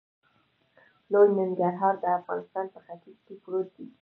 لوی ننګرهار د افغانستان په ختیځ کې پروت دی.